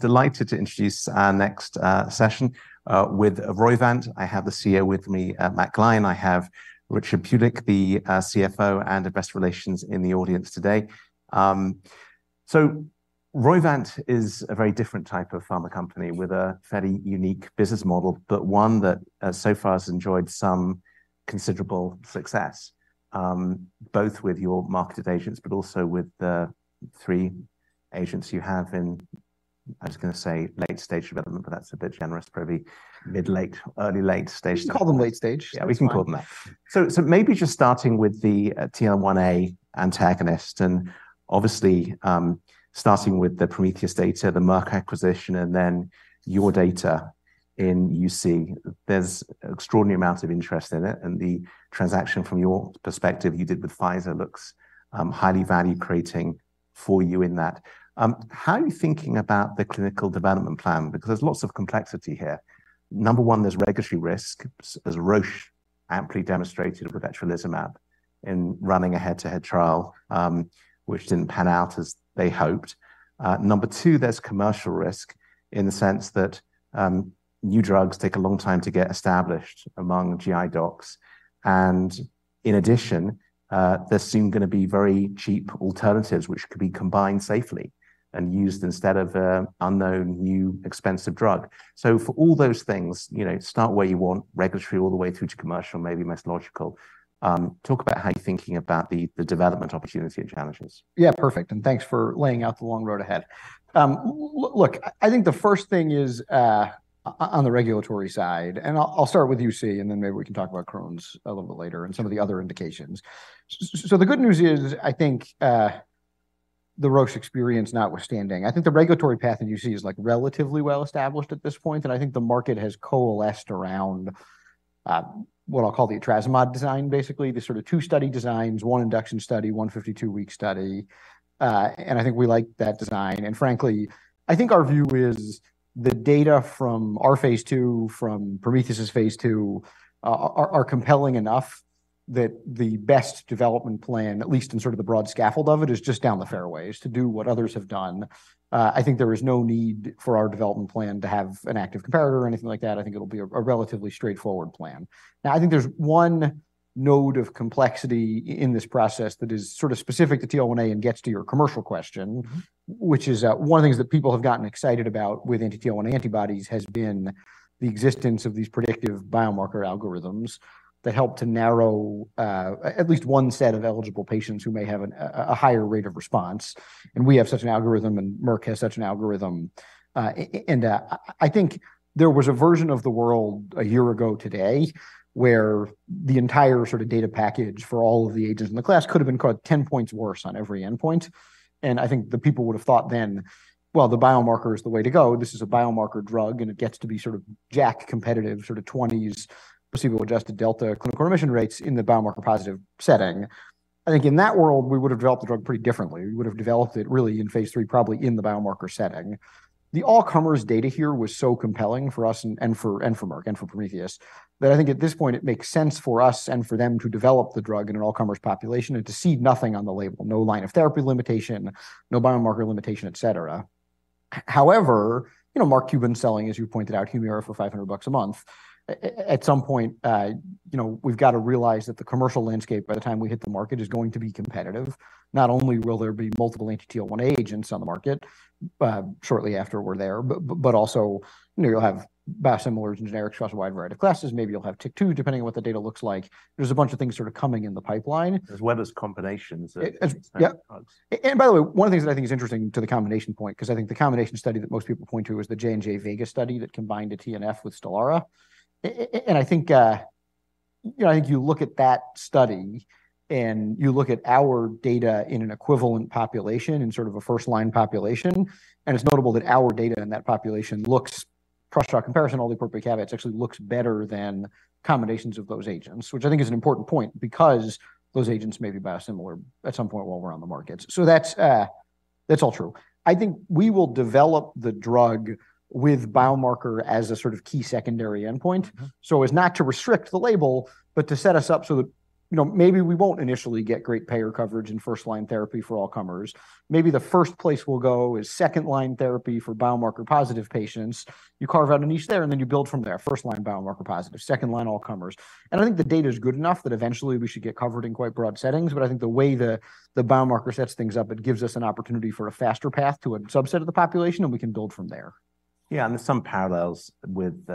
I am delighted to introduce our next session with Roivant. I have the CEO with me, Matt Gline; I have Richard Pulik, the CFO, and investor relations in the audience today. So Roivant is a very different type of pharma company with a fairly unique business model, but one that so far has enjoyed some considerable success, both with your marketed agents, but also with the three agents you have in, I was gonna say late-stage development, but that's a bit generous. Probably mid-late, early-late stage- We can call them late stage. Yeah, we can call them that. That's fine. So maybe just starting with the TL1A antagonist, and obviously starting with the Prometheus data, the Merck acquisition, and then your data in UC. There's extraordinary amounts of interest in it, and the transaction from your perspective, you did with Pfizer, looks highly value-creating for you in that. How are you thinking about the clinical development plan? Because there's lots of complexity here. Number one, there's regulatory risk, as Roche amply demonstrated with etrolizumab in running a head-to-head trial, which didn't pan out as they hoped. Number two, there's commercial risk in the sense that new drugs take a long time to get established among GI docs. And in addition, there's soon gonna be very cheap alternatives, which could be combined safely and used instead of an unknown, new, expensive drug. For all those things, you know, start where you want, regulatory all the way through to commercial, maybe most logical. Talk about how you're thinking about the development opportunity and challenges. Yeah, perfect, and thanks for laying out the long road ahead. Look, I think the first thing is, on the regulatory side, and I'll, I'll start with UC, and then maybe we can talk about Crohn's a little bit later and some of the other indications. So the good news is, I think, the Roche experience notwithstanding, I think the regulatory path in UC is, like, relatively well established at this point, and I think the market has coalesced around, what I'll call the etrasimod design, basically. The sort of two study designs, one induction study, one 52-week study, and I think we like that design. And frankly, I think our view is the data from our phase II, from Prometheus phase II, are compelling enough that the best development plan, at least in sort of the broad scaffold of it, is just down the fairways to do what others have done. I think there is no need for our development plan to have an active comparator or anything like that. I think it'll be a relatively straightforward plan. Now, I think there's one node of complexity in this process that is sort of specific to TL1A and gets to your commercial question- Mm-hmm... Which is one of the things that people have gotten excited about with anti-TL1A antibodies, has been the existence of these predictive biomarker algorithms that help to narrow at least one set of eligible patients who may have a higher rate of response. And we have such an algorithm, and Merck has such an algorithm. And I think there was a version of the world a year ago today, where the entire sort of data package for all of the agents in the class could have been called 10 points worse on every endpoint. And I think the people would have thought then, "Well, the biomarker is the way to go. This is a biomarker drug, and it gets to be sort of JAK competitive, sort of 20s, placebo-adjusted delta clinical remission rates in the biomarker positive setting." I think in that world, we would have developed the drug pretty differently. We would have developed it really in phase III, probably in the biomarker setting. The all-comers data here was so compelling for us and for Merck and for Prometheus, that I think at this point it makes sense for us and for them to develop the drug in an all-comers population and to cede nothing on the label. No line of therapy limitation, no biomarker limitation, etc. However, you know, Mark, you've been selling, as you pointed out, Humira for $500 a month. At some point, you know, we've got to realize that the commercial landscape, by the time we hit the market, is going to be competitive. Not only will there be multiple anti-TL1A agents on the market, shortly after we're there, but also, you know, you'll have biosimilars and generics across a wide variety of classes. Maybe you'll have TYK2, depending on what the data looks like. There's a bunch of things sort of coming in the pipeline. As well as combinations of- As, yeah- Drugs... And by the way, one of the things that I think is interesting to the combination point, 'cause I think the combination study that most people point to is the J&J VEGA study that combined a TNF with Stelara. And I think, you know, I think you look at that study and you look at our data in an equivalent population, in sort of a first-line population, and it's notable that our data in that population looks, cross-trial comparison, all the appropriate caveats, actually looks better than combinations of those agents. Which I think is an important point, because those agents may be biosimilar at some point while we're on the markets. So that's all true. I think we will develop the drug with biomarker as a sort of key secondary endpoint. Mm-hmm. So as not to restrict the label, but to set us up so that, you know, maybe we won't initially get great payer coverage in first-line therapy for all comers. Maybe the first place we'll go is second-line therapy for biomarker-positive patients. You carve out a niche there, and then you build from there. First line, biomarker positive. Second line, all comers. And I think the data is good enough that eventually we should get covered in quite broad settings, but I think the way the, the biomarker sets things up, it gives us an opportunity for a faster path to a subset of the population, and we can build from there. Yeah, and there's some parallels with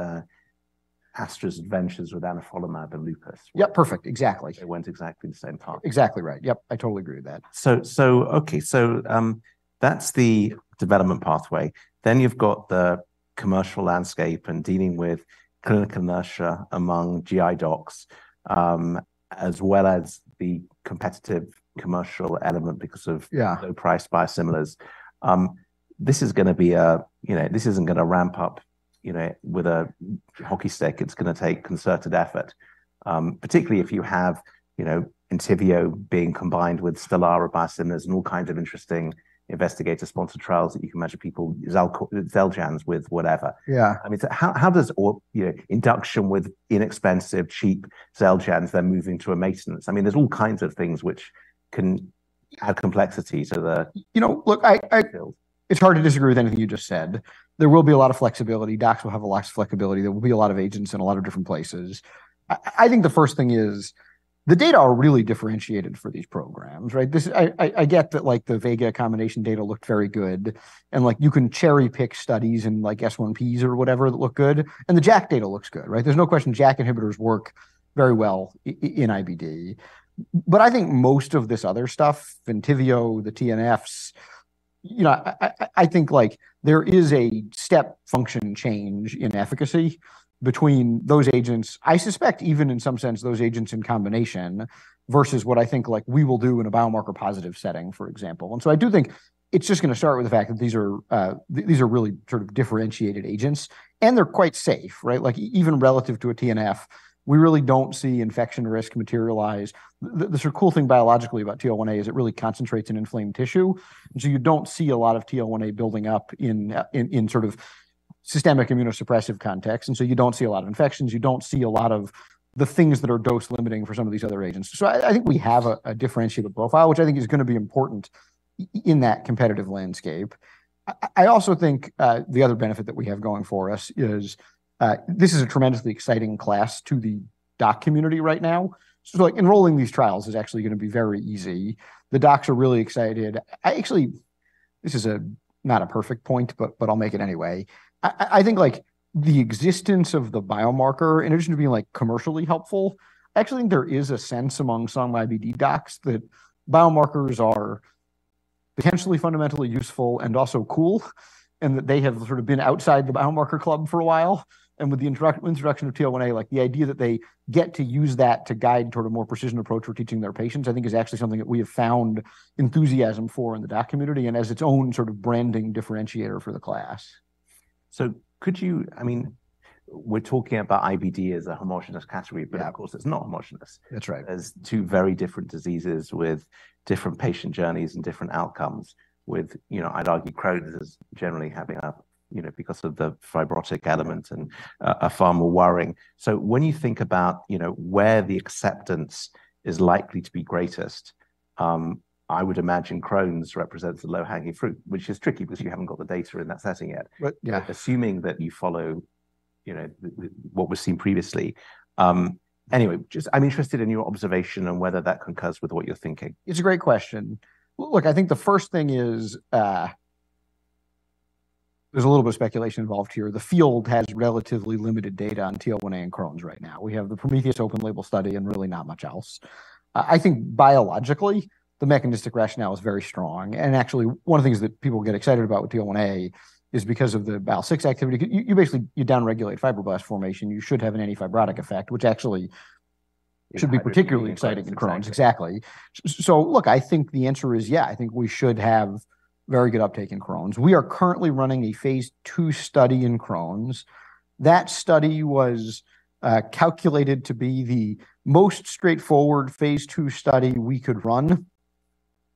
Astra's adventures with anifrolumab and lupus. Yep, perfect. Exactly. It went exactly the same path. Exactly right. Yep, I totally agree with that. Okay, that's the development pathway. Then you've got the commercial landscape and dealing with clinical inertia among GI docs, as well as the competitive commercial element because of- Yeah ... Low-priced biosimilars. This is gonna be. You know, this isn't gonna ramp up, you know, with a hockey stick. It's gonna take concerted effort, particularly if you have, you know, Entyvio being combined with Stelara biosimilars and all kinds of interesting investigator-sponsored trials that you can imagine people, Xeljanz with whatever. Yeah. I mean, so how, how does all, you know, induction with inexpensive, cheap Xeljanz, then moving to a maintenance? I mean, there's all kinds of things which can-.. Add complexity to the- You know, look, I, it's hard to disagree with anything you just said. There will be a lot of flexibility. Docs will have a lot of flexibility. There will be a lot of agents in a lot of different places. I think the first thing is the data are really differentiated for these programs, right? This, I get that, like, the VEGA combination data looked very good, and, like, you can cherry-pick studies and, like, S1Ps or whatever, that look good, and the JAK data looks good, right? There's no question JAK inhibitors work very well in IBD. But I think most of this other stuff, Entyvio, the TNFs, you know, I think, like, there is a step function change in efficacy between those agents. I suspect even in some sense, those agents in combination, versus what I think, like, we will do in a biomarker positive setting, for example. And so I do think it's just going to start with the fact that these are really sort of differentiated agents, and they're quite safe, right? Like, even relative to a TNF, we really don't see infection risk materialize. The sort of cool thing biologically about TL1A is it really concentrates on inflamed tissue, and so you don't see a lot of TL1A building up in, in sort of systemic immunosuppressive context, and so you don't see a lot of infections. You don't see a lot of the things that are dose-limiting for some of these other agents. So I, I think we have a, a differentiated profile, which I think is going to be important in that competitive landscape. I, I also think, the other benefit that we have going for us is, this is a tremendously exciting class to the doc community right now. So, like, enrolling these trials is actually going to be very easy. The docs are really excited. I actually... This is not a perfect point, but, but I'll make it anyway. I think, like, the existence of the biomarker, in addition to being, like, commercially helpful, I actually think there is a sense among some IBD docs that biomarkers are potentially fundamentally useful and also cool, and that they have sort of been outside the biomarker club for a while. With the introduction of TL1A, like, the idea that they get to use that to guide toward a more precision approach for treating their patients, I think is actually something that we have found enthusiasm for in the doc community and as its own sort of branding differentiator for the class. I mean, we're talking about IBD as a homogeneous category- Yeah. But of course, it's not homogeneous. That's right. There's two very different diseases with different patient journeys and different outcomes, with, you know, I'd argue Crohn's is generally having a, you know, because of the fibrotic element and, are far more worrying. So when you think about, you know, where the acceptance is likely to be greatest, I would imagine Crohn's represents the low-hanging fruit, which is tricky because you haven't got the data in that setting yet. Right. Yeah. Assuming that you follow, you know, the what was seen previously. Anyway, just I'm interested in your observation on whether that concurs with what you're thinking. It's a great question. Look, I think the first thing is, there's a little bit of speculation involved here. The field has relatively limited data on TL1A and Crohn's right now. We have the Prometheus open-label study and really not much else. I think biologically, the mechanistic rationale is very strong, and actually, one of the things that people get excited about with TL1A is because of the IL-6 activity. You basically down-regulate fibroblast formation, you should have an anti-fibrotic effect, which actually should be particularly exciting in Crohn's. Exactly. Exactly. So, so look, I think the answer is yeah, I think we should have very good uptake in Crohn's. We are currently running a phase II study in Crohn's. That study was calculated to be the most straightforward phase II study we could run,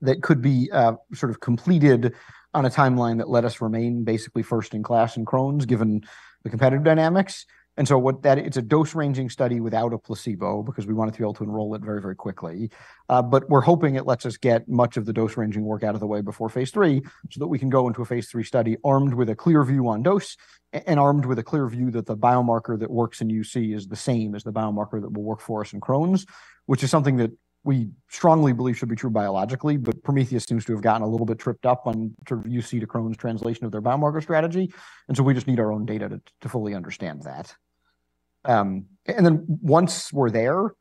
that could be sort of completed on a timeline that let us remain basically first in class in Crohn's, given the competitive dynamics. And so it's a dose-ranging study without a placebo because we wanted to be able to enroll it very, very quickly. But we're hoping it lets us get much of the dose-ranging work out of the way before phase III, so that we can go into a phase III study armed with a clear view on dose and armed with a clear view that the biomarker that works in UC is the same as the biomarker that will work for us in Crohn's, which is something that we strongly believe should be true biologically, but Prometheus seems to have gotten a little bit tripped up on sort of UC to Crohn's translation of their biomarker strategy, and so we just need our own data to fully understand that. And then once we're there,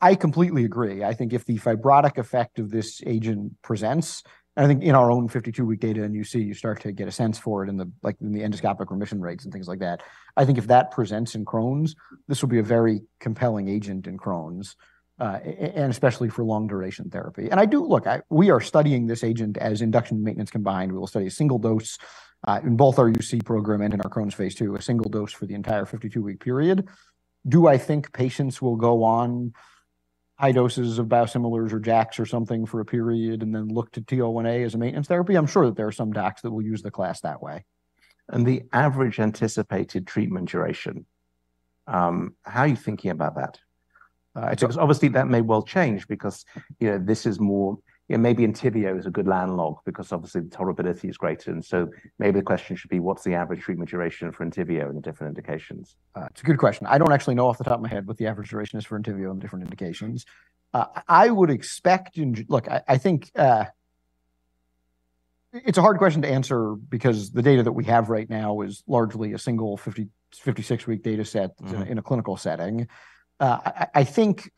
I completely agree. I think if the fibrotic effect of this agent presents, and I think in our own 52-week data in UC, you start to get a sense for it in the, like, in the endoscopic remission rates and things like that. I think if that presents in Crohn's, this will be a very compelling agent in Crohn's, and especially for long-duration therapy. And I do... Look, we are studying this agent as induction maintenance combined. We will study a single dose, in both our UC program and in our Crohn's Phase II, a single dose for the entire 52-week period. Do I think patients will go on high doses of biosimilars or JAKs or something for a period, and then look to TL1A as a maintenance therapy? I'm sure that there are some docs that will use the class that way. The average anticipated treatment duration, how are you thinking about that? Uh, it- Because obviously, that may well change because, you know, this is maybe Entyvio is a good analog because obviously the tolerability is greater, and so maybe the question should be, what's the average treatment duration for Entyvio in different indications? It's a good question. I don't actually know off the top of my head what the average duration is for Entyvio in different indications. I would expect in... Look, I, I think, it's a hard question to answer because the data that we have right now is largely a single 56-week data set- Mm-hmm... In a clinical setting. I think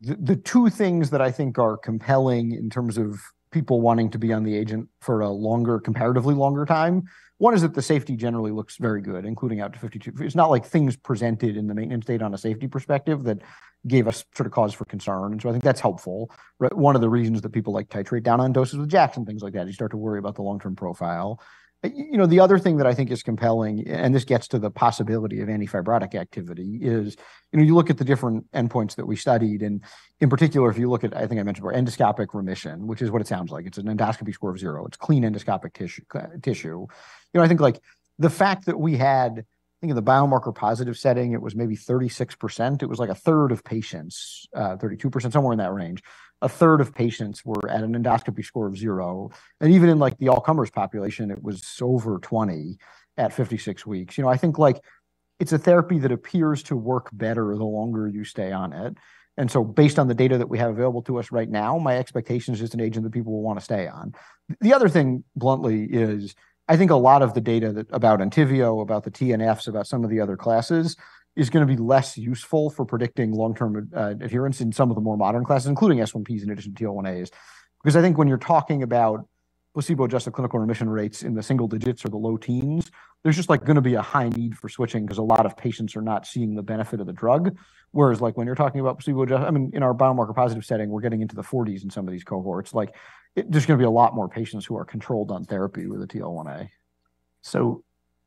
the two things that I think are compelling in terms of people wanting to be on the agent for a longer, comparatively longer time, one is that the safety generally looks very good, including out to 52. It's not like things presented in the maintenance data on a safety perspective that gave us sort of cause for concern, and so I think that's helpful. Right, one of the reasons that people like titrate down on doses with JAKs and things like that, you start to worry about the long-term profile. You know, the other thing that I think is compelling, and this gets to the possibility of anti-fibrotic activity, is, you know, you look at the different endpoints that we studied, and in particular, if you look at, I think I mentioned, endoscopic remission, which is what it sounds like. It's an endoscopy score of zero. It's clean endoscopic tissue, tissue. You know, I think, like, the fact that we had. I think in the biomarker positive setting, it was maybe 36%. It was like a third of patients, 32%, somewhere in that range. A third of patients were at an endoscopy score of zero, and even in, like, the all-comers population, it was over 20 at 56 weeks. You know, I think, like, it's a therapy that appears to work better the longer you stay on it, and so based on the data that we have available to us right now, my expectation is it's an agent that people will want to stay on. The other thing, bluntly, is I think a lot of the data that about Entyvio, about the TNFs, about some of the other classes, is going to be less useful for predicting long-term adherence in some of the more modern classes, including S1Ps and in addition to TL1As. Because I think when you're talking about placebo-adjusted clinical remission rates in the single digits or the low teens, there's just, like, going to be a high need for switching because a lot of patients are not seeing the benefit of the drug. Whereas, like, when you're talking about placebo, I mean, in our biomarker positive setting, we're getting into the forties in some of these cohorts. Like, there's going to be a lot more patients who are controlled on therapy with a TL1A. So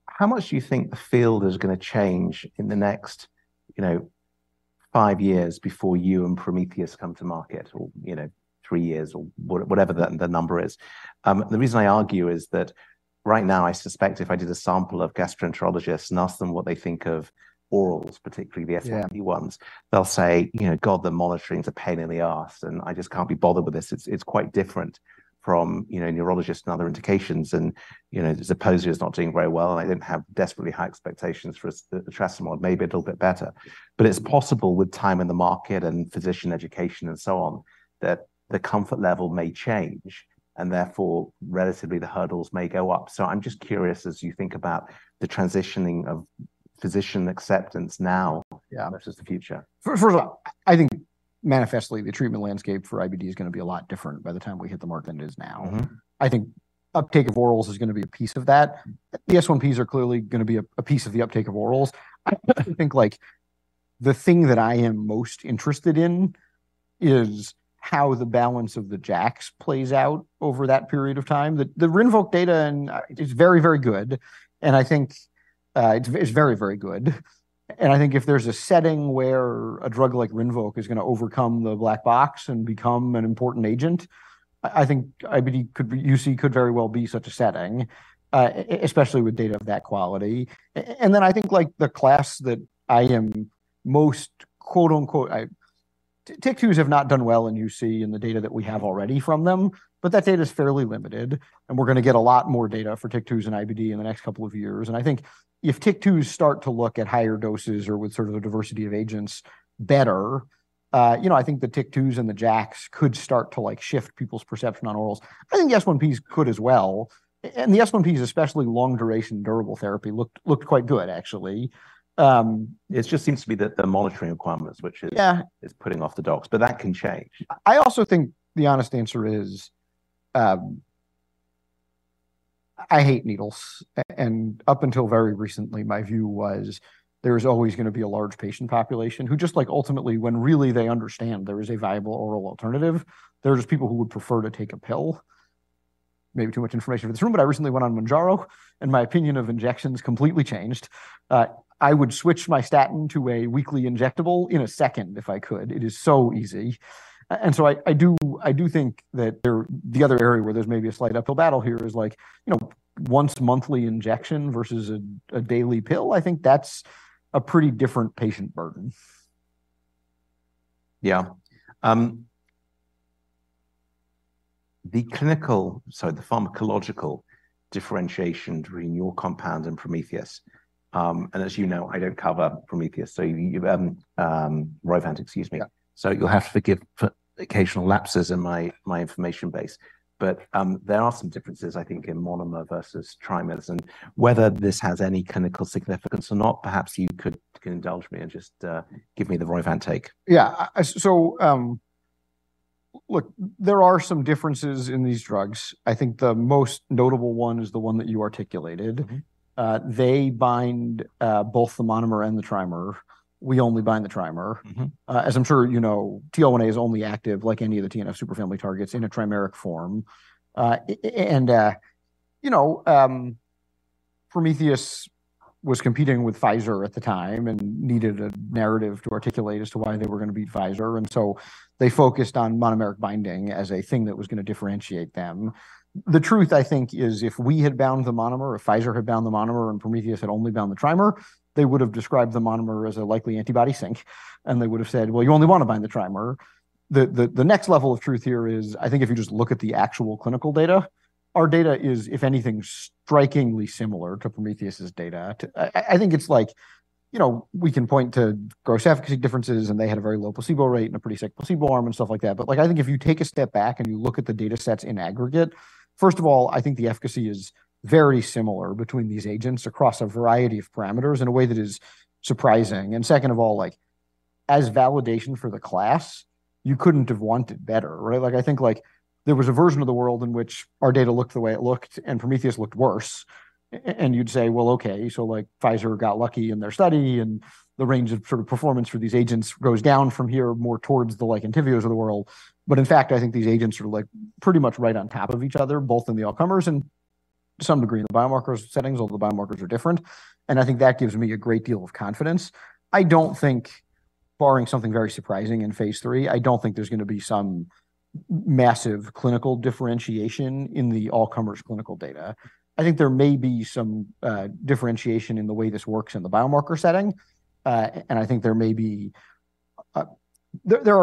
how much do you think the field is going to change in the next, you know, five years before you and Prometheus come to market, or, you know, three years, or what- whatever the, the number is? The reason I argue is that right now, I suspect if I did a sample of gastroenterologists and asked them what they think of orals, particularly the S1P- Yeah... Ones, they'll say, "You know, God, the monitoring is a pain in the ass, and I just can't be bothered with this." It's quite different from, you know, neurologists and other indications, and, you know, the Zeposia is not doing very well, and I didn't have desperately high expectations for the etrasimod, maybe a little bit better. Yeah. It's possible with time in the market and physician education and so on, that the comfort level may change, and therefore, relatively, the hurdles may go up. I'm just curious, as you think about the transitioning of physician acceptance now- Yeah... Versus the future. First of all, I think manifestly, the treatment landscape for IBD is going to be a lot different by the time we hit the market than it is now. Mm-hmm. I think uptake of orals is going to be a piece of that. The S1Ps are clearly going to be a piece of the uptake of orals. I think, like, the thing that I am most interested in is how the balance of the JAKs plays out over that period of time. The Rinvoq data and... It's very, very good, and I think it's very, very good. And I think if there's a setting where a drug like Rinvoq is going to overcome the black box and become an important agent, I think IBD could be- UC could very well be such a setting, especially with data of that quality. And then I think, like, the class that I am most quote-unquote, I... TYK2s have not done well in UC in the data that we have already from them, but that data is fairly limited, and we're going to get a lot more data for TYK2s and IBD in the next couple of years. And I think if TYK2s start to look at higher doses or with sort of a diversity of agents better, you know, I think the TYK2s and the JAKs could start to, like, shift people's perception on orals. I think the S1Ps could as well, and the S1Ps, especially long duration durable therapy, looked quite good, actually. It just seems to be that the monitoring requirements, which is- Yeah... Is putting off the docs, but that can change. I also think the honest answer is, I hate needles, and up until very recently, my view was there is always going to be a large patient population who just, ultimately, when really they understand there is a viable oral alternative, there are just people who would prefer to take a pill. Maybe too much information for this room, but I recently went on Mounjaro, and my opinion of injections completely changed. I would switch my statin to a weekly injectable in a second if I could. It is so easy. And so I do think that the other area where there's maybe a slight uphill battle here is like, you know, once monthly injection versus a daily pill. I think that's a pretty different patient burden. Yeah. The clinical, sorry, the pharmacological differentiation between your compound and Prometheus, and as you know, I don't cover Prometheus, so you, Roivant, excuse me. So you'll have to forgive for occasional lapses in my, my information base. But, there are some differences, I think, in monomer versus trimers, and whether this has any clinical significance or not, perhaps you could, could indulge me and just, give me the Roivant take. Yeah. So, look, there are some differences in these drugs. I think the most notable one is the one that you articulated. Mm-hmm. They bind both the monomer and the trimer. We only bind the trimer. Mm-hmm. As I'm sure you know, TL1A is only active, like any of the TNF superfamily targets, in a trimeric form. And, you know, Prometheus was competing with Pfizer at the time and needed a narrative to articulate as to why they were going to beat Pfizer, and so they focused on monomeric binding as a thing that was going to differentiate them. The truth, I think, is if we had bound the monomer, or Pfizer had bound the monomer, and Prometheus had only bound the trimer, they would have described the monomer as a likely antibody sink, and they would have said: "Well, you only want to bind the trimer." The next level of truth here is, I think if you just look at the actual clinical data, our data is, if anything, strikingly similar to Prometheus's data. I think it's like, you know, we can point to gross efficacy differences, and they had a very low placebo rate and a pretty sick placebo arm and stuff like that, but, like, I think if you take a step back and you look at the data sets in aggregate, first of all, I think the efficacy is very similar between these agents across a variety of parameters in a way that is surprising. And second of all, like, as validation for the class, you couldn't have wanted better, right? Like, I think, like, there was a version of the world in which our data looked the way it looked, and Prometheus looked worse, and you'd say: Well, okay, so, like, Pfizer got lucky in their study, and the range of sort of performance for these agents goes down from here more towards the, like, Entyvio of the world. But in fact, I think these agents are, like, pretty much right on top of each other, both in the all-comers and to some degree in the biomarker settings, although the biomarkers are different, and I think that gives me a great deal of confidence. I don't think barring something very surprising in phase III, I don't think there's gonna be some massive clinical differentiation in the all-comers clinical data. I think there may be some differentiation in the way this works in the biomarker setting. And I think there may be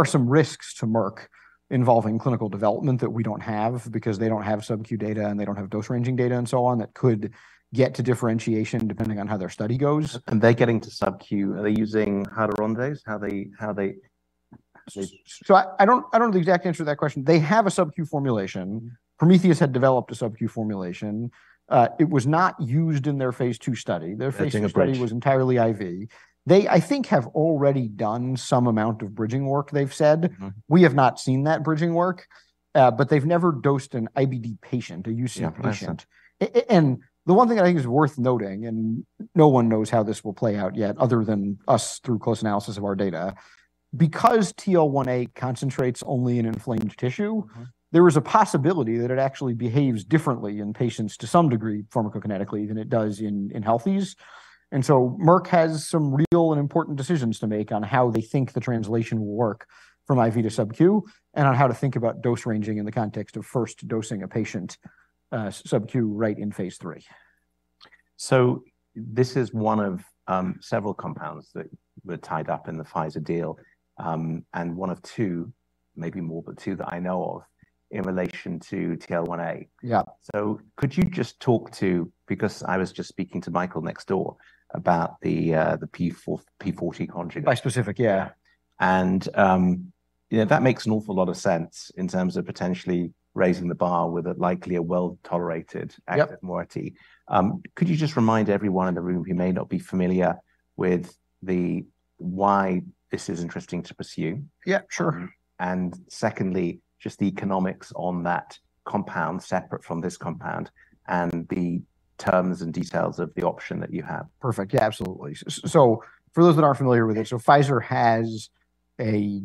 some risks to Merck involving clinical development that we don't have, because they don't have sub-Q data and they don't have dose-ranging data, and so on, that could get to differentiation depending on how their study goes. They're getting to sub-Q. Are they using heterodimers? How they, how they, they- So I don't have the exact answer to that question. They have a sub-Q formulation. Prometheus had developed a sub-Q formulation. It was not used in their phase II study. They're doing a bridge. Their phase II study was entirely IV. They, I think, have already done some amount of bridging work, they've said. Mm-hmm. We have not seen that bridging work, but they've never dosed an IBD patient, a UC patient. Yeah, I understand. And the one thing I think is worth noting, and no one knows how this will play out yet other than us through close analysis of our data, because TL1A concentrates only in inflamed tissue- Mm-hmm... There is a possibility that it actually behaves differently in patients, to some degree pharmacokinetically, than it does in healthies. And so Merck has some real and important decisions to make on how they think the translation will work from IV to sub-Q, and on how to think about dose ranging in the context of first dosing a patient sub-Q right in phase III. This is one of several compounds that were tied up in the Pfizer deal, and one of two, maybe more, but two that I know of in relation to TL1A. Yeah. So could you just talk to... Because I was just speaking to Michael next door about the P40, P40 conjugate. Bispecific, yeah. Yeah, that makes an awful lot of sense in terms of potentially raising the bar with a likely well-tolerated- Yep... Active moiety. Could you just remind everyone in the room who may not be familiar with the why this is interesting to pursue? Yeah, sure. Mm-hmm. And secondly, just the economics on that compound, separate from this compound, and the terms and details of the option that you have. Perfect. Yeah, absolutely. So for those that aren't familiar with it, so Pfizer has a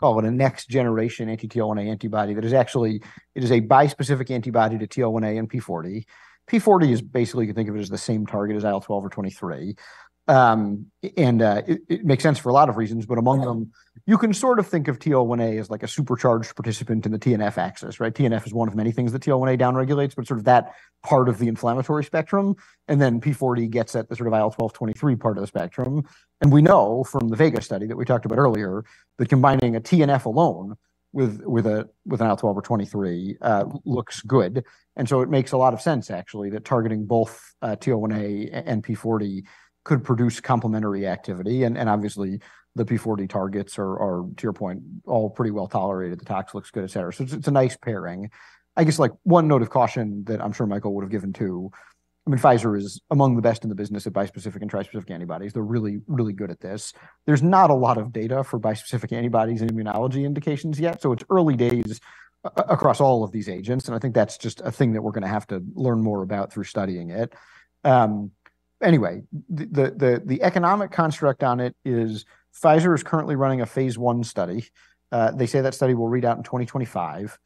call it a next-generation anti-TL1A antibody, that is actually it is a bispecific antibody to TL1A and P40. P40 is basically you can think of it as the same target as IL-12 or IL-23. And it makes sense for a lot of reasons, but among them- Right... You can sort of think of TL1A as like a supercharged participant in the TNF axis, right? TNF is one of many things that TL1A down-regulates, but sort of that part of the inflammatory spectrum, and then P40 gets at the sort of IL-12/23 part of the spectrum. And we know from the VEGA study that we talked about earlier, that combining a TNF alone with an IL-12 or 23 looks good. And so it makes a lot of sense, actually, that targeting both TL1A and P40 could produce complementary activity. And obviously, the P40 targets are, to your point, all pretty well-tolerated. The tox looks good, et cetera. So it's a nice pairing. I guess, like one note of caution that I'm sure Michael would have given too. I mean, Pfizer is among the best in the business of bispecific and trispecific antibodies. They're really, really good at this. There's not a lot of data for bispecific antibodies in immunology indications yet, so it's early days across all of these agents, and I think that's just a thing that we're gonna have to learn more about through studying it. Anyway, the economic construct on it is Pfizer is currently running a phase I study. They say that study will read out in 2025.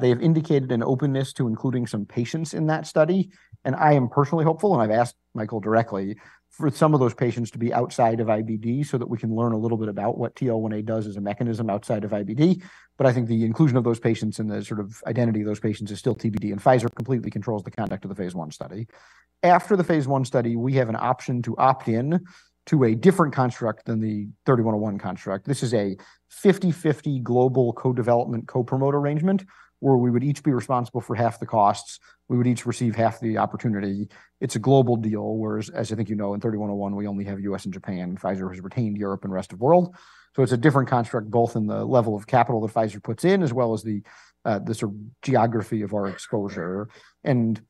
They have indicated an openness to including some patients in that study, and I am personally hopeful, and I've asked Michael directly, for some of those patients to be outside of IBD so that we can learn a little bit about what TL1A does as a mechanism outside of IBD. But I think the inclusion of those patients and the sort of identity of those patients is still TBD, and Pfizer completely controls the conduct of the phase I study. After the phase I study, we have an option to opt in to a different construct than the 3101 construct. This is a 50/50 global co-development, co-promote arrangement, where we would each be responsible for half the costs, we would each receive half the opportunity. It's a global deal, whereas, as I think you know, in 3101, we only have U.S. and Japan. Pfizer has retained Europe and rest of world. So it's a different construct, both in the level of capital that Pfizer puts in, as well as the, the sort of geography of our exposure. And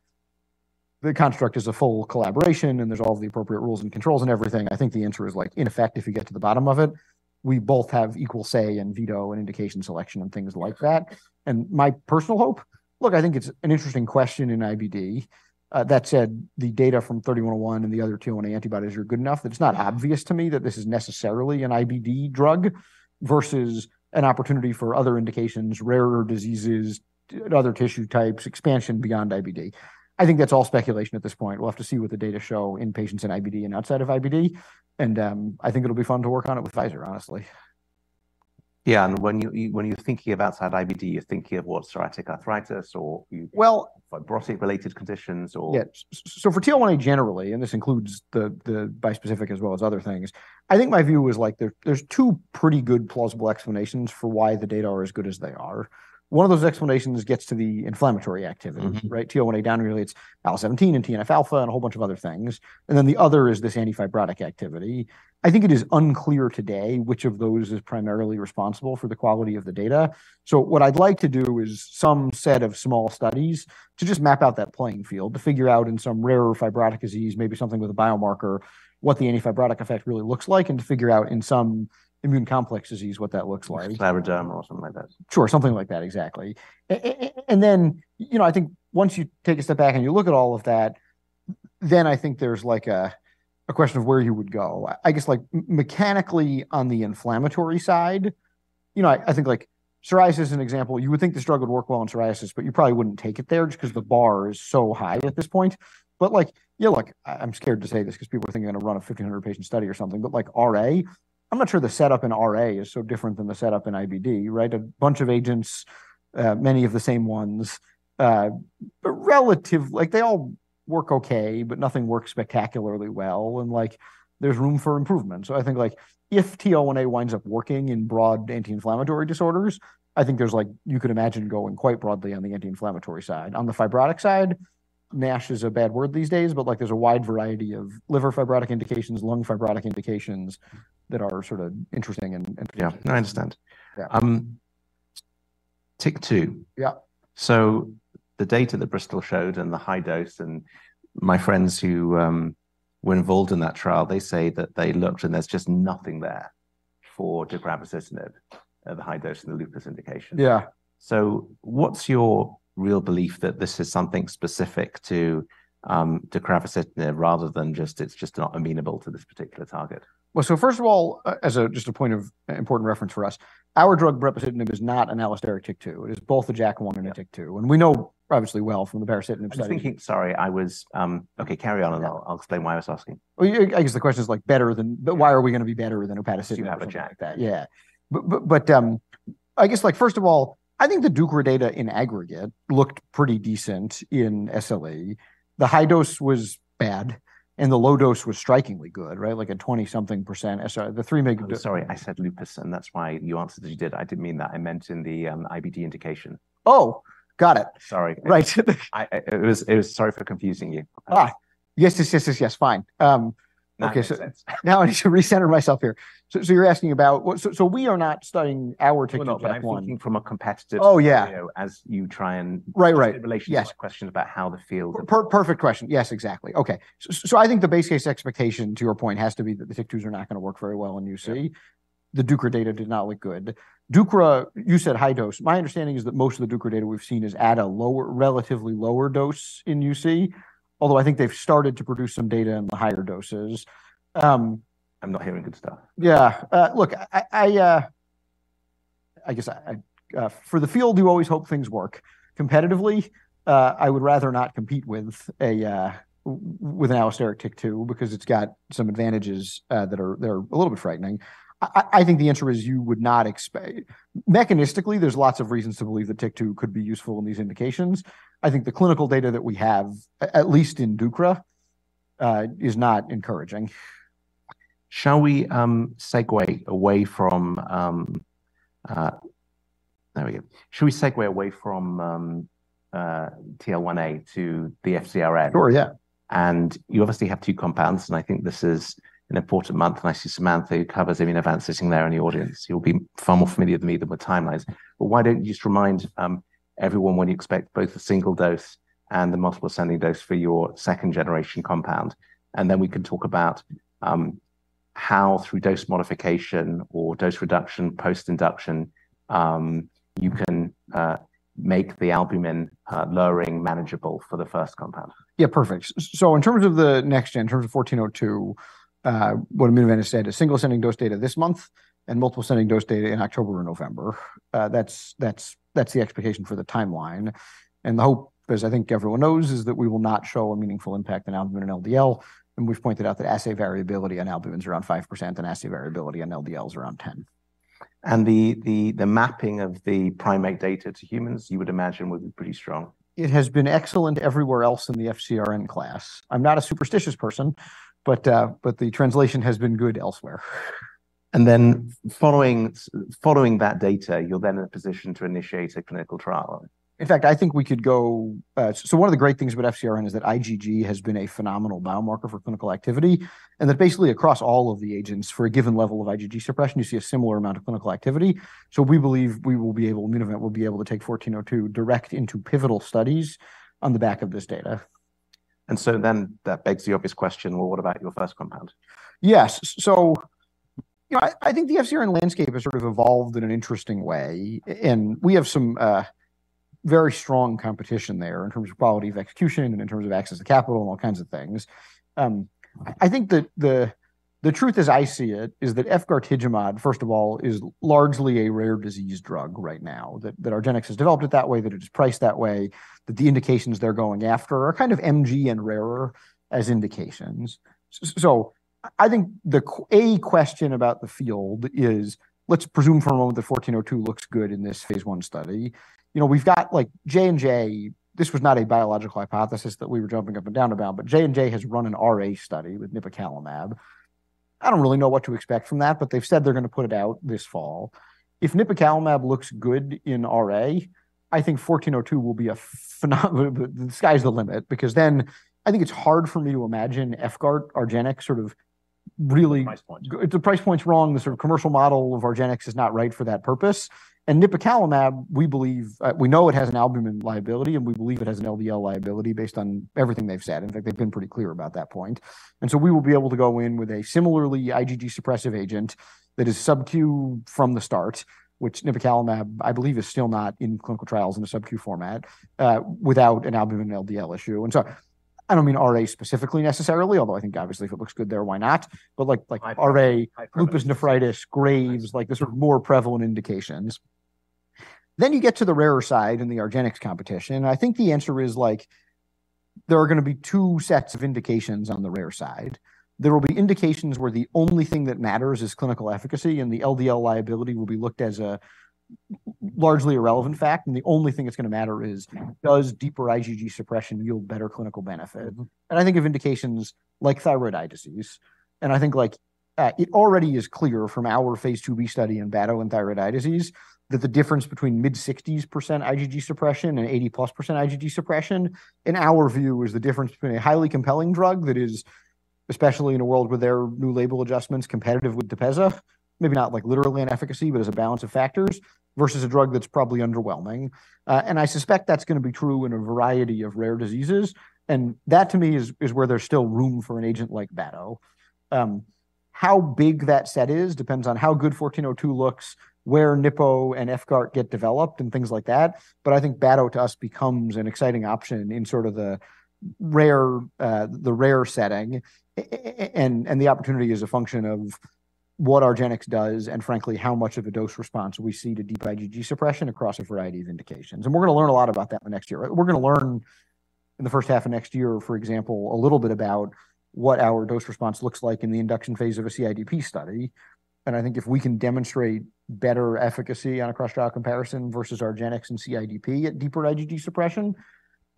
the construct is a full collaboration, and there's all the appropriate rules and controls and everything. I think the answer is, like, in effect, if you get to the bottom of it, we both have equal say and veto in indication selection and things like that. And my personal hope? Look, I think it's an interesting question in IBD. That said, the data from 3101 and the other two on the antibodies are good enough, that it's not obvious to me that this is necessarily an IBD drug, versus an opportunity for other indications, rarer diseases, other tissue types, expansion beyond IBD. I think that's all speculation at this point. We'll have to see what the data show in patients in IBD and outside of IBD, and, I think it'll be fun to work on it with Pfizer, honestly. Yeah, and when you, when you're thinking of outside IBD, you're thinking of what, psoriatic arthritis or- Well- Fibrotic-related conditions, or? Yeah. So for TL1A generally, and this includes the bispecific as well as other things, I think my view is, like, there, there's two pretty good plausible explanations for why the data are as good as they are. One of those explanations gets to the inflammatory activity- Mm-hmm... Right? TL1A down-regulates IL-17 and TNF alpha, and a whole bunch of other things, and then the other is this antifibrotic activity. I think it is unclear today which of those is primarily responsible for the quality of the data. So what I'd like to do is some set of small studies to just map out that playing field, to figure out in some rarer fibrotic disease, maybe something with a biomarker, what the antifibrotic effect really looks like, and to figure out in some immune complex disease, what that looks like. Scleroderma or something like that. Sure, something like that, exactly. And then, you know, I think once you take a step back and you look at all of that, then I think there's like a question of where you would go. I guess, like mechanically, on the inflammatory side... You know, I think like psoriasis is an example. You would think this drug would work well on psoriasis, but you probably wouldn't take it there just 'cause the bar is so high at this point. But like, yeah, look, I'm scared to say this 'cause people are thinking I'm gonna run a 1,500 patient study or something, but like RA, I'm not sure the setup in RA is so different than the setup in IBD, right? A bunch of agents, many of the same ones, but relatively—like, they all work okay, but nothing works spectacularly well, and like, there's room for improvement. So I think like, if TL1A winds up working in broad anti-inflammatory disorders, I think there's like, you could imagine it going quite broadly on the anti-inflammatory side. On the fibrotic side, NASH is a bad word these days, but like, there's a wide variety of liver fibrotic indications, lung fibrotic indications that are sort of interesting and, Yeah, I understand. Yeah. Um, TYK2. Yeah. So the data that Bristol showed and the high dose, and my friends who were involved in that trial, they say that they looked and there's just nothing there for depletive, the high dose and the lupus indication. Yeah. What's your real belief that this is something specific to depletive rather than just, it's just not amenable to this particular target? Well, so first of all, as just a point of important reference for us, our drug brepocitinib is not an allosteric TYK2. It is both a JAK1 and a TYK2, and we know obviously well from the baricitinib study- I'm thinking... Sorry, I was... Okay, carry on, and I'll, I'll explain why I was asking. Well, yeah, I guess the question is, like, better than-- but why are we gonna be better than upadacitinib- You have a JAK. Like that. Yeah. But, but, but, I guess, like, first of all, I think the Deucra data in aggregate looked pretty decent in SLE. The high dose was bad, and the low dose was strikingly good, right? Like a 20-something%, the three mega- Sorry, I said lupus, and that's why you answered as you did. I didn't mean that. I meant in the IBD indication. Oh, got it! Sorry. Right. Sorry for confusing you. Ah. Yes, yes, yes, yes, yes, fine. Okay, makes sense. Now, I need to recenter myself here. So you're asking about... Well, so we are not studying our TYK2 inhibitor- No, but I'm looking from a competitive- Oh, yeah. -view, as you try and- Right, right. In relation to the question about how the field- Perfect question. Yes, exactly. Okay. So, so I think the base case expectation, to your point, has to be that the TYK2s are not gonna work very well in UC. The Deucra data did not look good. Deucra, you said high dose. My understanding is that most of the Deucra data we've seen is at a lower, relatively lower dose in UC, although I think they've started to produce some data in the higher doses. I'm not hearing good stuff. Yeah. Look, I guess for the field, you always hope things work competitively. I would rather not compete with an allosteric TYK2 because it's got some advantages that are a little bit frightening. I think the answer is you would not expect... Mechanistically, there's lots of reasons to believe that TYK2 could be useful in these indications. I think the clinical data that we have, at least in Deucra, is not encouraging. There we go. Shall we segue away from TL1A to the FcRn? Sure, yeah. And you obviously have two compounds, and I think this is an important month, and I see Samantha, who covers Immunovant, sitting there in the audience. You'll be far more familiar than me with the timelines. But why don't you just remind everyone when you expect both the single dose and the multiple ascending dose for your second generation compound? And then we can talk about how through dose modification or dose reduction, post-induction, you can make the albumin lowering manageable for the first compound. Yeah, perfect. So in terms of the next gen, in terms of 1402, what I'm going to say is single ascending dose data this month, and multiple ascending dose data in October or November. That's, that's, that's the expectation for the timeline. And the hope, as I think everyone knows, is that we will not show a meaningful impact on albumin and LDL, and we've pointed out that assay variability on albumin is around 5%, and assay variability on LDL is around 10%. And the mapping of the primate data to humans, you would imagine, would be pretty strong. It has been excellent everywhere else in the FcRn class. I'm not a superstitious person, but, but the translation has been good elsewhere. Then following that data, you're then in a position to initiate a clinical trial? In fact, so one of the great things about FcRn is that IgG has been a phenomenal biomarker for clinical activity, and that basically across all of the agents, for a given level of IgG suppression, you see a similar amount of clinical activity. So we believe we will be able, Immunovant will be able to take 1402 direct into pivotal studies on the back of this data. That begs the obvious question, well, what about your first compound? Yes. So I think the FcRn landscape has sort of evolved in an interesting way, and we have some very strong competition there in terms of quality of execution and in terms of access to capital and all kinds of things. I think that the truth as I see it is that Vyvgart, first of all, is largely a rare disease drug right now, that argenx has developed it that way, that it is priced that way, that the indications they're going after are kind of MG and rarer as indications. So I think the question about the field is, let's presume for a moment that 1402 looks good in this phase I study. You know, we've got, like, J&J... This was not a biological hypothesis that we were jumping up and down about, but J&J has run an RA study with nipocalimab. I don't really know what to expect from that, but they've said they're gonna put it out this fall. If nipocalimab looks good in RA, I think 1402 will be a phenom- the sky's the limit, because then I think it's hard for me to imagine Vyvgart, argenx, sort of really- The price point. The price point's wrong. The sort of commercial model of argenx is not right for that purpose. Nipocalimab, we believe, we know it has an albumin liability, and we believe it has an LDL liability based on everything they've said, and in fact, they've been pretty clear about that point. So we will be able to go in with a similarly IgG suppressive agent that is sub-Q from the start, which nipocalimab, I believe, is still not in clinical trials in a sub-Q format, without an albumin and LDL issue. I don't mean RA specifically necessarily, although I think obviously, if it looks good there, why not? But like, like RA, lupus nephritis, Graves, like the sort of more prevalent indications. Then you get to the rarer side in the argenx competition, and I think the answer is like, there are gonna be two sets of indications on the rare side. There will be indications where the only thing that matters is clinical efficacy, and the LDL liability will be looked as a largely irrelevant fact, and the only thing that's gonna matter is, does deeper IgG suppression yield better clinical benefit? And I think of indications like thyroiditis. I think, like, it already is clear from our phase IIb study in batoclimab and thyroiditis, that the difference between mid-60s% IgG suppression and 80+% IgG suppression, in our view, is the difference between a highly compelling drug that is, especially in a world where there are new label adjustments competitive with Tepezza, maybe not like literally in efficacy, but as a balance of factors, versus a drug that's probably underwhelming. And I suspect that's gonna be true in a variety of rare diseases, and that to me is, is where there's still room for an agent like batoclimab. How big that set is depends on how good 1402 looks, where nipocalimab and Vyvgart get developed, and things like that. But I think batoclimab, to us, becomes an exciting option in sort of the rare, the rare setting. And the opportunity is a function of what argenx does, and frankly, how much of a dose response we see to deep IgG suppression across a variety of indications. We're gonna learn a lot about that in the next year. We're gonna learn in the first half of next year, for example, a little bit about what our dose response looks like in the induction phase of a CIDP study. I think if we can demonstrate better efficacy on a cross-trial comparison versus argenx and CIDP at deeper IgG suppression,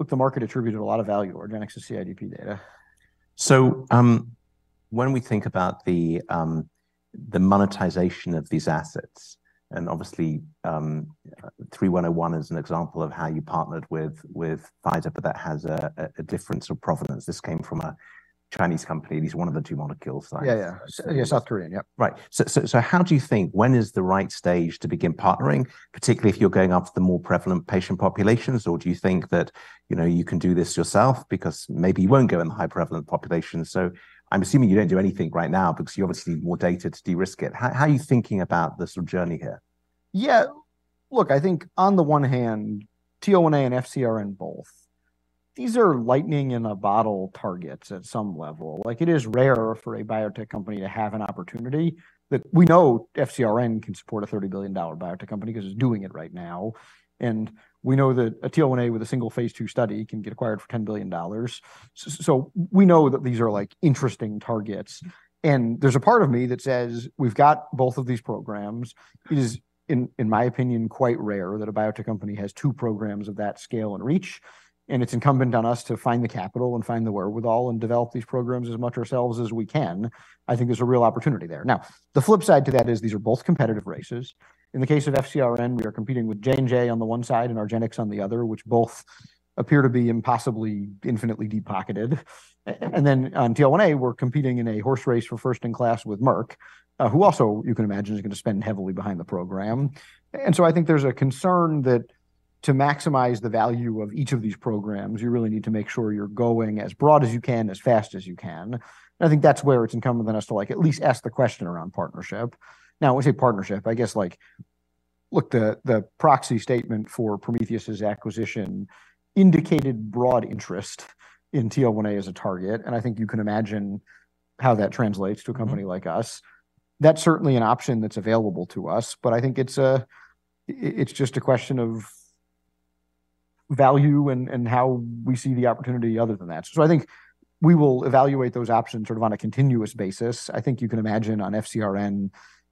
look, the market attributed a lot of value to argenx and CIDP data. When we think about the monetization of these assets, and obviously, 3101 is an example of how you partnered with Pfizer, but that has a difference of provenance. This came from a Chinese company, and these are one of the two monoclonals. Yeah, yeah. Yeah, South Korean, yep. Right. So, how do you think, when is the right stage to begin partnering, particularly if you're going after the more prevalent patient populations? Or do you think that, you know, you can do this yourself? Because maybe you won't go in the high prevalent population. So I'm assuming you don't do anything right now because you obviously need more data to de-risk it. How are you thinking about the sort of journey here? Yeah. Look, I think on the one hand, TL1A and FCRN both, these are lightning-in-a-bottle targets at some level. Like, it is rare for a biotech company to have an opportunity that we know FCRN can support a $30 billion biotech company because it's doing it right now. And we know that a TL1A with a single phase II study can get acquired for $10 billion. So we know that these are, like, interesting targets. And there's a part of me that says, we've got both of these programs. It is, in my opinion, quite rare that a biotech company has two programs of that scale and reach, and it's incumbent on us to find the capital and find the wherewithal and develop these programs as much ourselves as we can. I think there's a real opportunity there. Now, the flip side to that is these are both competitive races. In the case of FcRn, we are competing with J&J on the one side and argenx on the other, which both appear to be impossibly, infinitely deep-pocketed. And then on TL1A, we're competing in a horse race for first in class with Merck, who also, you can imagine, is gonna spend heavily behind the program. And so I think there's a concern that to maximize the value of each of these programs, you really need to make sure you're going as broad as you can, as fast as you can. And I think that's where it's incumbent on us to, like, at least ask the question around partnership. Now, I say partnership, I guess, like, look, the proxy statement for Prometheus's acquisition indicated broad interest in TL1A as a target, and I think you can imagine how that translates to a company like us. That's certainly an option that's available to us, but I think it's just a question of value and how we see the opportunity other than that. So I think we will evaluate those options sort of on a continuous basis. I think you can imagine on FcRn,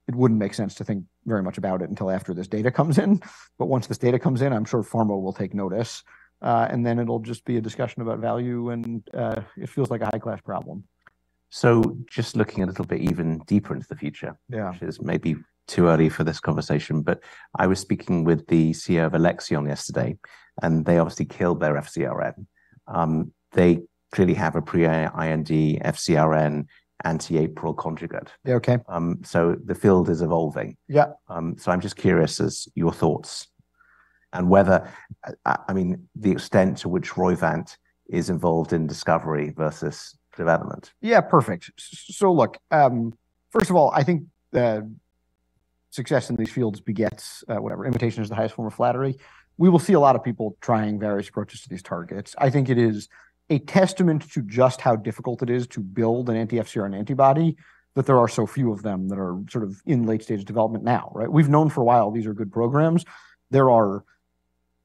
it wouldn't make sense to think very much about it until after this data comes in. But once this data comes in, I'm sure pharma will take notice, and then it'll just be a discussion about value, and it feels like an IgG problem. Just looking a little bit even deeper into the future- Yeah... Which is maybe too early for this conversation, but I was speaking with the CEO of Alexion yesterday, and they obviously killed their FcRn. They clearly have a pre-IND FcRn anti-APRIL conjugate. Yeah, okay. So the field is evolving. Yeah. So I'm just curious as your thoughts and whether, I mean, the extent to which Roivant is involved in discovery versus development? Yeah, perfect. So look, first of all, I think that success in these fields begets, whatever. Imitation is the highest form of flattery. We will see a lot of people trying various approaches to these targets. I think it is a testament to just how difficult it is to build an anti-FcRn antibody, that there are so few of them that are sort of in late-stage development now, right? We've known for a while, these are good programs. There are,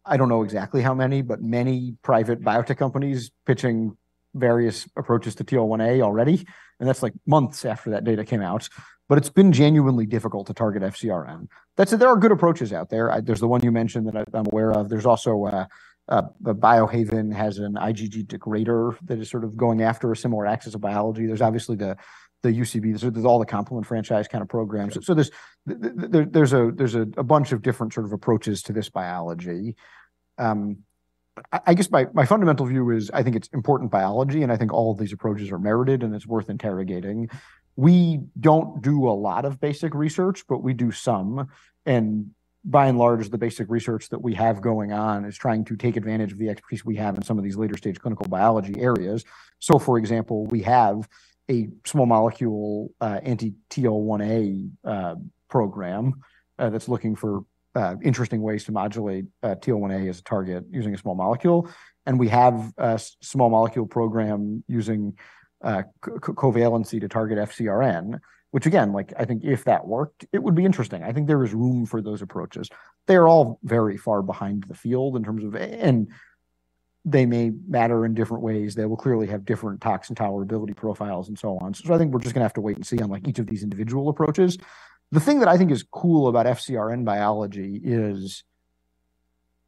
I don't know exactly how many, but many private biotech companies pitching various approaches to TL1A already, and that's like months after that data came out. But it's been genuinely difficult to target FcRn. That said, there are good approaches out there. I. There's the one you mentioned that I'm aware of. There's also, the Biohaven has an IgG degrader that is sort of going after a similar axis of biology. There's obviously the UCB. There's all the complement franchise kind of programs. So there's a bunch of different sort of approaches to this biology. I guess my fundamental view is, I think it's important biology, and I think all of these approaches are merited, and it's worth interrogating. We don't do a lot of basic research, but we do some, and by and large, the basic research that we have going on is trying to take advantage of the expertise we have in some of these later-stage clinical biology areas. So, for example, we have a small molecule anti-TL1A program that's looking for interesting ways to modulate TL1A as a target using a small molecule. And we have a small molecule program using covalency to target FcRn, which again, like, I think if that worked, it would be interesting. I think there is room for those approaches. They're all very far behind the field in terms of... And they may matter in different ways. They will clearly have different toxin tolerability profiles, and so on. So I think we're just gonna have to wait and see on, like, each of these individual approaches. The thing that I think is cool about FcRn biology is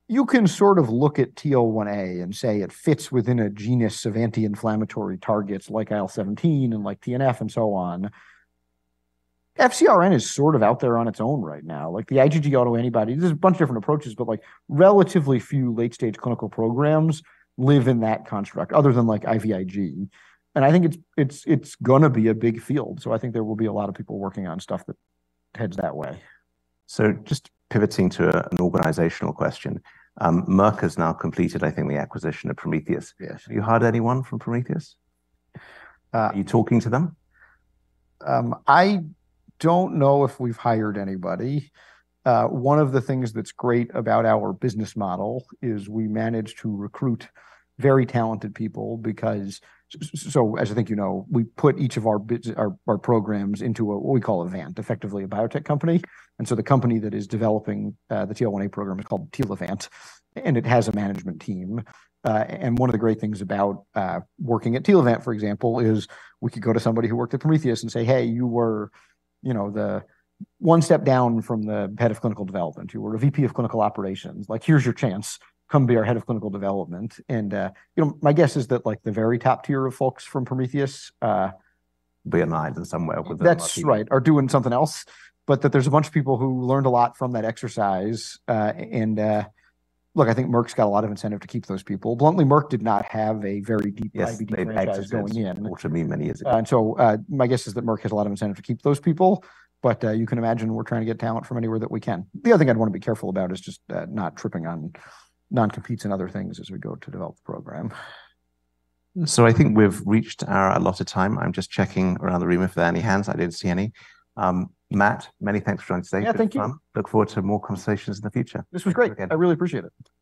you can sort of look at TL1A and say it fits within a genus of anti-inflammatory targets like IL-17, and like TNF, and so on. FcRn is sort of out there on its own right now. Like, the IgG autoantibody, there's a bunch of different approaches, but, like, relatively few late-stage clinical programs live in that construct, other than, like, IVIG. And I think it's gonna be a big field, so I think there will be a lot of people working on stuff that heads that way. Just pivoting to an organizational question. Merck has now completed, I think, the acquisition of Prometheus. Yes. Have you hired anyone from Prometheus? Uh- Are you talking to them? I don't know if we've hired anybody. One of the things that's great about our business model is we manage to recruit very talented people because... So as I think you know, we put each of our our programs into a what we call a Vant, effectively a biotech company. And so the company that is developing the TL1A program is called Telavant, and it has a management team. And one of the great things about working at Telavant, for example, is we could go to somebody who worked at Prometheus and say, "Hey, you were, you know, the one step down from the head of clinical development. You were a VP of clinical operations. Like, here's your chance. Come be our head of clinical development." And, you know, my guess is that, like, the very top tier of folks from Prometheus, Be in lines and somewhere with them. That's right, are doing something else. But that there's a bunch of people who learned a lot from that exercise, and... Look, I think Merck's got a lot of incentive to keep those people. Bluntly, Merck did not have a very deep- Yes... going in. Talked to me many years ago. And so, my guess is that Merck has a lot of incentive to keep those people, but, you can imagine we're trying to get talent from anywhere that we can. The other thing I'd wanna be careful about is just, not tripping on non-competes and other things as we go to develop the program. I think we've reached our allotted time. I'm just checking around the room if there are any hands. I didn't see any. Matt, many thanks for joining today. Yeah, thank you. Look forward to more conversations in the future. This was great. Okay. I really appreciate it. Thank you.